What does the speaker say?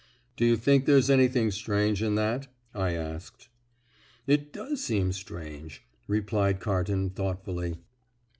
"Do you think there is anything strange in that?" I asked. "It does seem strange," replied Carton thoughtfully.